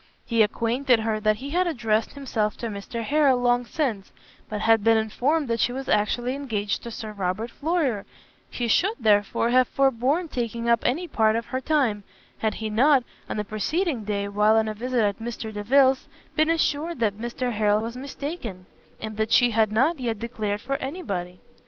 He acquainted her that he had addressed himself to Mr Harrel long since, but had been informed that she was actually engaged to Sir Robert Floyer: he should, therefore, have forborn taking up any part of her time, had he not, on the preceding day, while on a visit at Mr Delvile's, been assured that Mr Harrel was mistaken, and that she had not yet declared for any body.